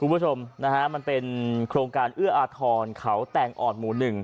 คุณผู้ชมมันเป็นโครงการเอื้ออาทรขาวแต่งอ่อนหมู่๑